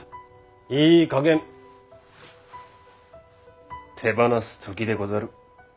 いいかげん手放す時でござる。